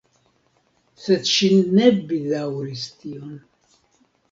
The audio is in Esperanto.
Sed ŝi ne bedaŭris tion.